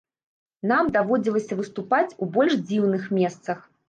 Нам даводзілася выступаць у больш дзіўных месцах.